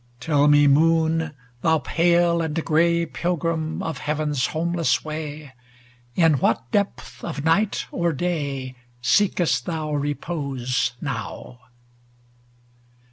II Tell me, moon, thou pale and gray Pilgrim of heaven's homeless way, In what depth of night or day Seekest thou repose now